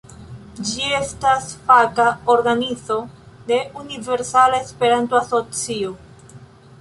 Ĝi estas faka organizo de Universala Esperanto-Asocio.